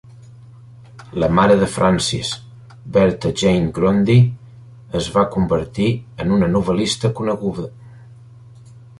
La mare de Francis, Bertha Jane Grundy, es va convertir en una novel·lista coneguda.